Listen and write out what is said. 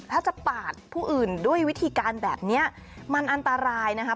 ถ้าจะปาดผู้อื่นด้วยวิธีการแบบนี้มันอันตรายนะคะ